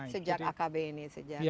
sejak akb ini